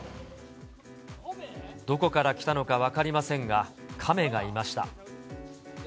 どこから来たのか分かりませんが、亀がいました。